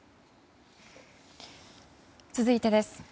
続いてです。